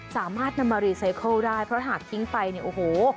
สามารถนำมารีไซเคิลได้เพราะหากทิ้งไปเนี่ยโอ้โห